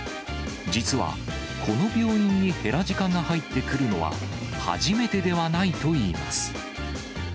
実は、この病院にヘラジカが入ってくるのは、初めてではないといいます。